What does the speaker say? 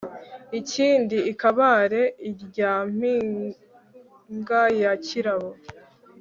inkindi i Kabare ilya mpinga ya Kirabo